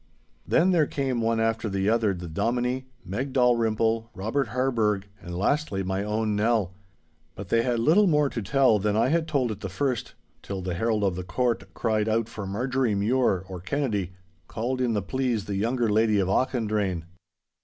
Then there came one after the other the Dominie, Meg Dalrymple, Robert Harburgh, and lastly my own Nell. But they had little more to tell than I had told at the first, till the herald of the court cried out for Marjorie Mure, or Kennedy, called in the pleas the younger lady of Auchendrayne.